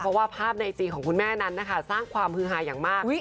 เพราะว่าภาพในไอจีของคุณแม่นั้นนะคะสร้างความฮือหาอย่างมาก